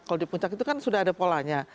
kalau di puncak itu kan sudah ada polanya